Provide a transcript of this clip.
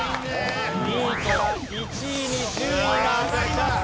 ２位から１位に順位が上がります。